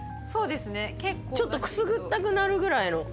ちょっとくすぐったくなるぐらいの。